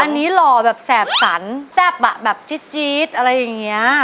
อันนี้หล่อแบบแสบสันแซ่บอ่ะแบบจี๊ดอะไรอย่างนี้